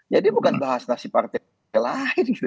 jadi bukan bahas nasib partai lain